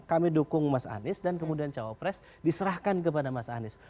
kami dukung mas anies dan kemudian cawapres diserahkan kepada mas anies